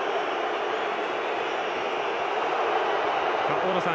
大野さん